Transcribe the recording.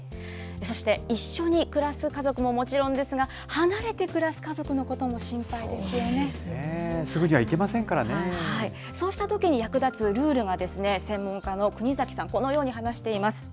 そして一緒に暮らす家族ももちろんですが、離れて暮らす家族のこそうですね、そうしたときに役立つルールが、専門家の国崎さん、このように話しています。